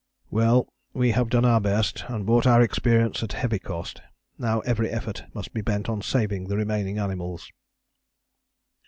"Well, we have done our best and bought our experience at a heavy cost. Now every effort must be bent on saving the remaining animals."